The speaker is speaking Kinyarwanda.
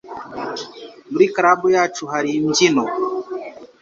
Muri club yacu hari imbyino